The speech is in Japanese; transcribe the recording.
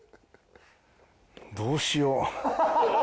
どうしよう。